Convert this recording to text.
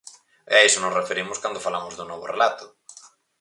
E a iso nos referimos cando falamos dun novo relato.